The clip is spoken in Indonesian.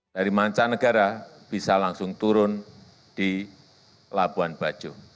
dari mancanegara bisa langsung turun di labuan bajo